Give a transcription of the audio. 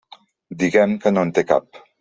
Diguem que no en té cap.